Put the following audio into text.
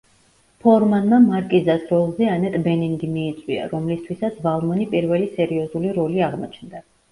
ფორმანმა მარკიზას როლზე ანეტ ბენინგი მიიწვია, რომლისთვისაც „ვალმონი“ პირველი სერიოზული როლი აღმოჩნდა.